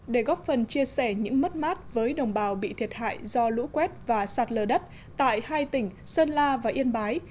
để góp phần chia sẻ những mất mát với đồng bào bị thiệt hại do lũ quét và sạt lờ đất tại hai tỉnh sơn la và yên bái